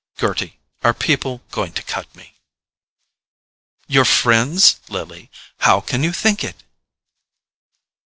"Gerty, are people going to cut me?" "Your FRIENDS, Lily—how can you think it?"